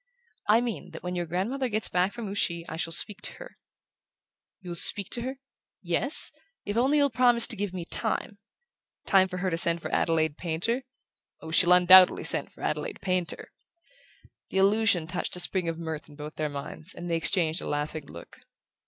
"I mean that when your grandmother gets back from Ouchy I shall speak to her " "You'll speak to her...?" "Yes; if only you'll promise to give me time " "Time for her to send for Adelaide Painter?" "Oh, she'll undoubtedly send for Adelaide Painter!" The allusion touched a spring of mirth in both their minds, and they exchanged a laughing look.